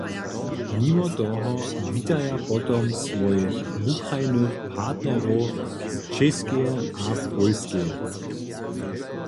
Nimo toho witaja potom swojich wukrajnych partnerow z Čěskeje a Pólskeje.